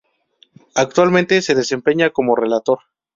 Actualmente se desempeña como relator.